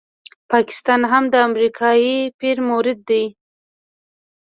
پاکستان هم د امریکایي پیر مرید دی.